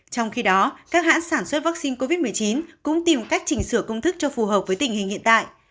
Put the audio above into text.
trong khi đó các hãng sản xuất vaccine covid một mươi chín cũng tìm cách chỉnh sửa công thức cho phù hợp với tình hình hiện tại